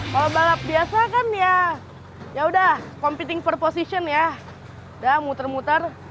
kalau balap biasa kan ya yaudah competing for position ya udah muter muter